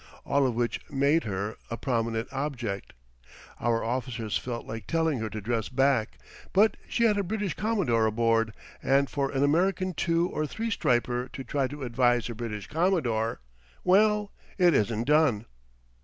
All of which made her a prominent object. Our officers felt like telling her to dress back; but she had a British commodore aboard, and for an American two or three striper to try to advise a British commodore well, it isn't done.